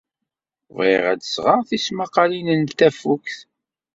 Bɣiɣ ad d-sɣeɣ tismaqqalin n tafukt.